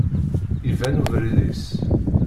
Iban ubrid-is.